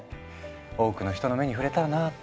多くの人の目に触れたらなって。